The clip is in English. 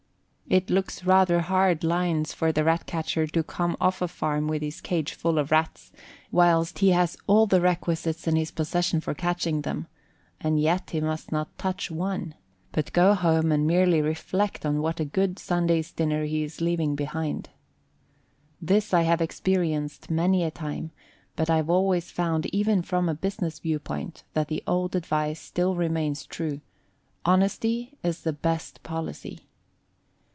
It looks rather hard lines for the Rat catcher to come off a farm with his cage full of Rats and see rabbits running about whilst he has all the requisites in his possession for catching them; and yet he must not touch one, but go home and merely reflect on what a good Sunday's dinner he is leaving behind. This I have experienced many a time, but I have always found even from the business view point that the old advice still remains true, "Honesty is the best policy."